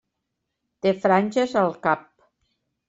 Té franges al cap.